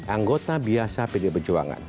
anggota biasa pdi perjuangan